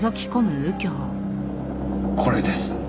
これです！